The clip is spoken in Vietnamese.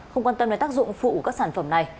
không quan tâm đến tác dụng phụ của các sản phẩm này